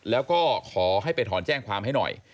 แล้วก็ขอให้ไปถอนแจ้งความให้หน่อย